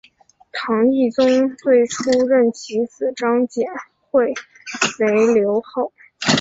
唐懿宗最初任其子张简会为留后。